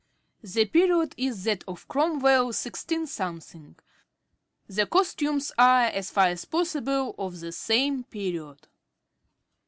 _ The period is that of Cromwell sixteen something. _The costumes are, as far as possible, of the same period.